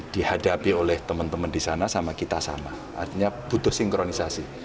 dihadapi oleh teman teman di sana sama kita sama artinya butuh sinkronisasi